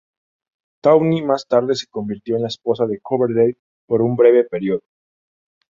Tawny más tarde se convirtió en la esposa de Coverdale por un breve período.